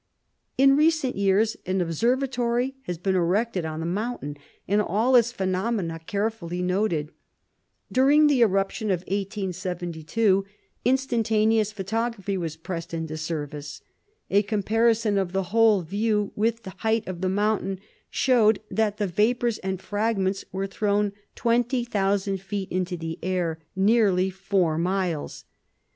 In recent years an observatory has been erected on the mountain, and all its phenomena carefully noted. During the eruption of 1872 instantaneous photography was pressed into service. A comparison of the whole view with the height of the mountain, showed that the vapors and fragments were thrown twenty thousand feet into the air nearly four miles.